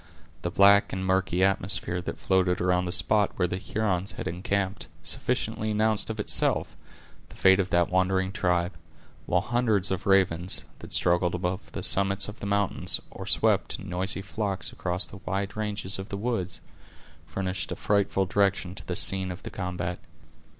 The black and murky atmosphere that floated around the spot where the Hurons had encamped, sufficiently announced of itself, the fate of that wandering tribe; while hundreds of ravens, that struggled above the summits of the mountains, or swept, in noisy flocks, across the wide ranges of the woods, furnished a frightful direction to the scene of the combat.